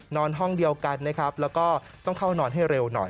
นอนห้องเดียวกันนะครับแล้วก็ต้องเข้านอนให้เร็วหน่อย